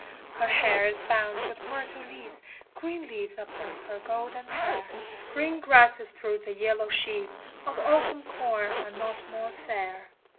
Her hair is bound with myrtle leaves, (Green leaves upon her golden hair !) Green grasses through the yellow sheaves Of autumn corn are not more fair.